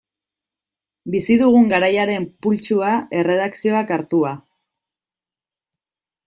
Bizi dugun garaiaren pultsua, erredakzioak hartua.